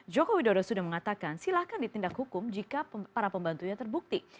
joko widodo sudah mengatakan silahkan ditindak hukum jika para pembantunya terbukti